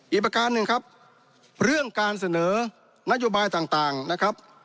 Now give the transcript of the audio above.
ประการหนึ่งครับเรื่องการเสนอนโยบายต่างนะครับ